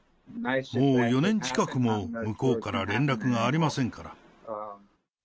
もう４年近くも向こうから連絡がありませんから。